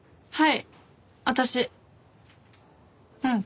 はい。